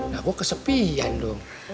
nah gue kesepian dong